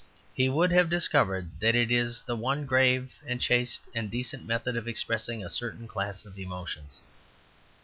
He would have discovered that it is the one grave and chaste and decent method of expressing a certain class of emotions.